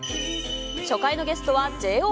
初回のゲストはＪＯ１。